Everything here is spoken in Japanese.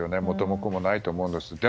元も子もないと思うんです。